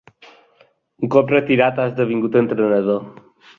Un cop retirat ha esdevingut entrenador.